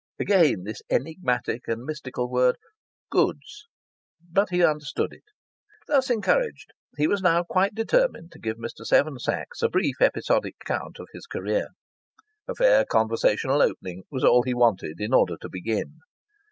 (Again this enigmatic and mystical word "goods"! But he understood it.) Thus encouraged, he was now quite determined to give Mr. Seven Sachs a brief episodic account of his career. A fair conversational opening was all he wanted in order to begin.